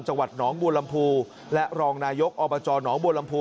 จังหวัดหนองบัวลำพูและรองนายกอบจหนองบัวลำพู